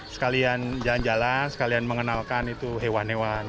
sekalian jalan jalan sekalian mengenalkan itu hewan hewan